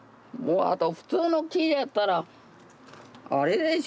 普通の木やったらあれでしょ。